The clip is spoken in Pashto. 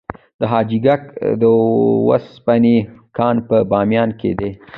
د حاجي ګک د وسپنې کان په بامیان کې دی